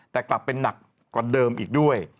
แต่กลับเป็นหนักกว่าเดิมอีกด้วย